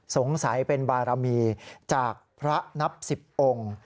สงสัยเป็นบารมีจากพระนับ๑๐องค์